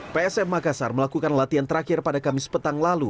psm makassar melakukan latihan terakhir pada kamis petang lalu